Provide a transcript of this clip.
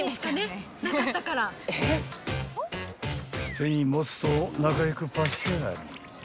［手に持つと仲良くパシャリ］